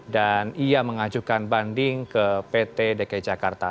dan ia mengajukan banding ke pt dki jakarta